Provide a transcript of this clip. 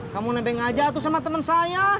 kamu nebeng aja tuh sama teman saya